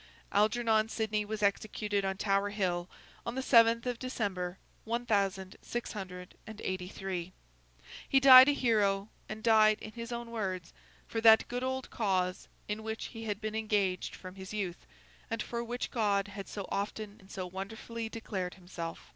Algernon Sidney was executed on Tower Hill, on the seventh of December, one thousand six hundred and eighty three. He died a hero, and died, in his own words, 'For that good old cause in which he had been engaged from his youth, and for which God had so often and so wonderfully declared himself.